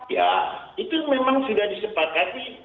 ya itu memang sudah disepakati